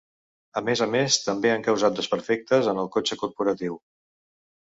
A més a més, també han causat desperfectes en el cotxe corporatiu.